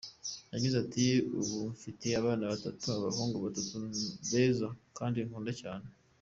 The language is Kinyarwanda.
Yagize ati “Ubu mfite abana batatu, abahungu batatu beza kandi nkunda cyane.